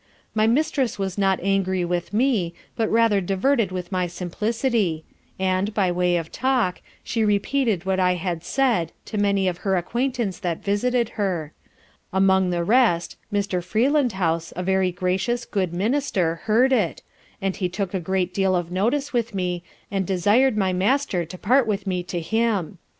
My mistress was not angry with me, but rather diverted with my simplicity and, by way of talk, She repeated what I had said, to many of her acquaintance that visited her; among the rest, Mr. Freelandhouse, a very gracious, good Minister, heard it, and he took a great deal of notice of me, and desired my master to part with me to him.